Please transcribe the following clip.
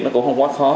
nó cũng không quá khó